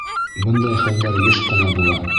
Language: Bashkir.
Бындай хәлдәр йыш ҡына була.